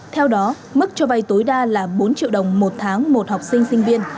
theo đó mức cho vay tối đa là bốn triệu đồng một tháng một học sinh sinh viên